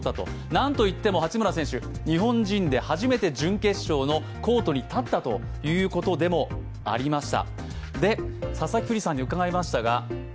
何といっても八村選手、日本人で初めて準決勝のコートに立ったということでもありました。